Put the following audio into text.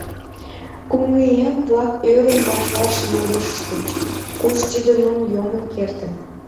Кугыеҥ-влак ӧрын ваш-ваш йодыштыч, куш тиде Нунн йомын кертын.